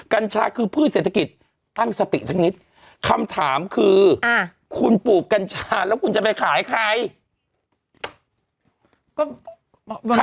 กัญชาคือพืชเศรษฐกิจตั้งสติสักนิดคำถามคือคุณปลูกกัญชาแล้วคุณจะไปขายใคร